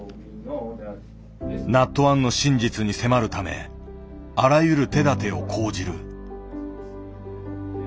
ＮＡＴ１の真実に迫るためあらゆる手立てを講じる。